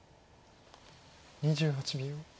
２８秒。